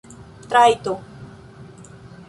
trajto